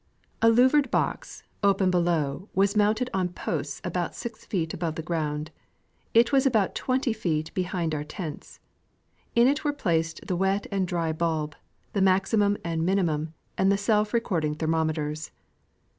A louvred box, open below, was mounted on posts about 6 feet above the ground ; it was about 20 feet behind our tents. In it were placed the wet and dry bulb, the maximum and minimum, and the self recording thermometers.